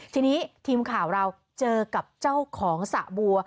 ทีนี้ทีมข่าวเราเจอกับเจ้าของสระบัว